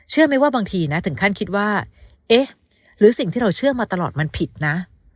ไหมว่าบางทีนะถึงขั้นคิดว่าเอ๊ะหรือสิ่งที่เราเชื่อมาตลอดมันผิดนะ